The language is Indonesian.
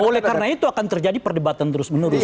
oleh karena itu akan terjadi perdebatan terus menerus